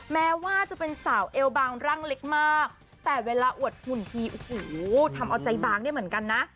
แม้ว่าจะเป็นสาวเอวบางร่างเล็กมากแต่เวลาอวดหุ่นทีโอ้โหทำเอาใจบางได้เหมือนกันนะ